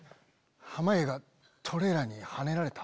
濱家がトレーラーにはねられた。